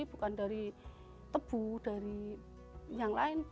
bukan dari tebu dari yang lain